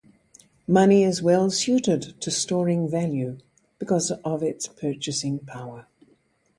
Money is well-suited to storing value because of its purchasing power.